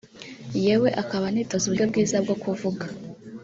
yewe akaba anitoza uburyo bwiza bwo kuvuga